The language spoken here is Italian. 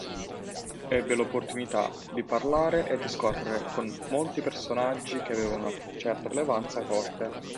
Ebbe l’opportunità di parlare e discorrere con molti personaggi che avevano una certa rilevanza a corte.